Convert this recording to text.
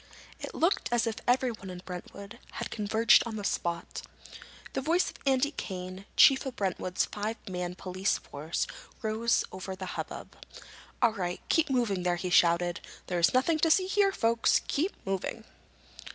It looked as if everyone in Brentwood had converged on the spot. The voice of Andy Kane, chief of Brentwood's five man police force, rose over the hubbub. "All right, keep moving there!" he shouted. "There's nothing to see here, folks. Keep moving!"